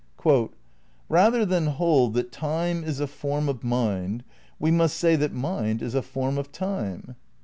"Bather than hold that Time is a form of mind, we must say that mind is a form of Time."